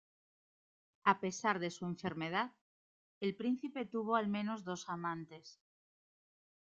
A pesar de su enfermedad, el príncipe tuvo al menos dos amantes.